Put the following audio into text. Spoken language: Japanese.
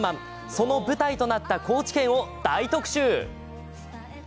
その舞台となった高知県を大特集。